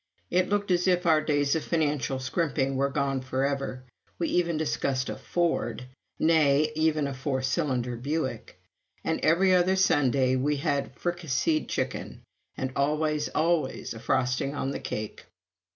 It looked as if our days of financial scrimping were gone forever. We even discussed a Ford! nay even a four cylinder Buick! And every other Sunday we had fricasseed chicken, and always, always a frosting on the cake.